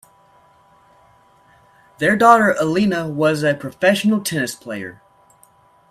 Their daughter Elena was a professional tennis player.